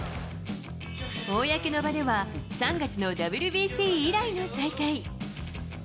公の場では、３月のＷＢＣ以来の再会。